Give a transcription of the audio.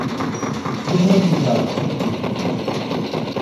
دے تھنگ پیکھہ اپی چِک یودپی اِنسُوک